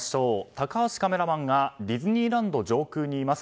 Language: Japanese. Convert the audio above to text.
高橋カメラマンがディズニーランド上空にいます。